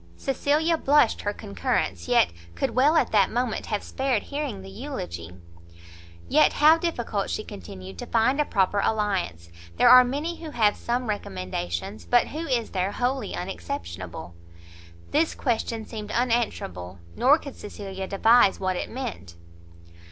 Cecilia blushed her concurrence; yet could well at that moment have spared hearing the eulogy. "Yet how difficult," she continued, "to find a proper alliance! there are many who have some recommendations, but who is there wholly unexceptionable?" This question seemed unanswerable; nor could Cecilia devise what it meant.